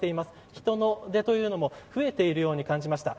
人出も増えているように感じました。